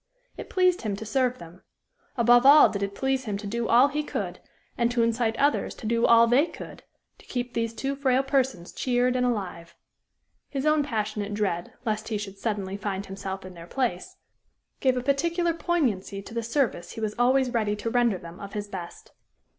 It pleased him to serve them; above all did it please him to do all he could, and to incite others to do all they could, to keep these two frail persons cheered and alive. His own passionate dread lest he should suddenly find himself in their place, gave a particular poignancy to the service he was always ready to render them of his best.